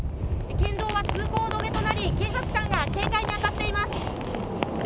県道は通行止めとなり警察官が警戒に当たっています。